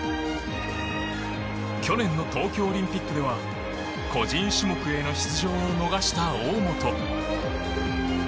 去年の東京オリンピックでは個人種目への出場を逃した大本。